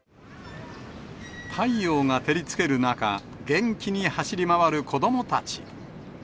太陽が照りつける中、元気に走り回る子どもたち。